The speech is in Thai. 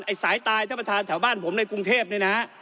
สายตายท่านประธานแถวบ้านผมในกรุงเทพเนี่ยนะ